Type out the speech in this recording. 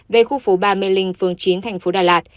về khu phố ba mê linh phường chín tp đà lạt